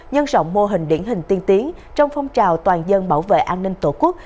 nhân rộng mô hình điển hình tiên tiến trong phong trào toàn dân bảo vệ an ninh tổ quốc